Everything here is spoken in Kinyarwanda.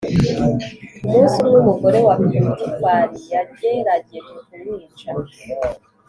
umunsi umwe umugore wa potifari yagerageje ku mwica